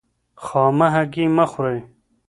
خامه هګۍ مه خورئ.